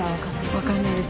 わからないです。